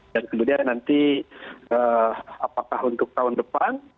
dan kemudian nanti apakah untuk tahun depan